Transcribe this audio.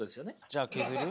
じゃあ削る？